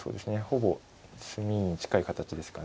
ほぼ詰みに近い形ですかね。